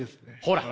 ほら！